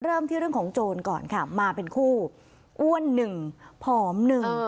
เริ่มที่เรื่องของโจรก่อนค่ะมาเป็นคู่อ้วนหนึ่งผอมหนึ่ง